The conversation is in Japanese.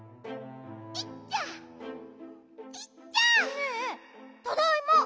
ねえただいま。